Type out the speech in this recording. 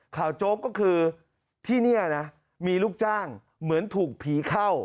โจ๊กก็คือที่นี่นะมีลูกจ้างเหมือนถูกผีเข้า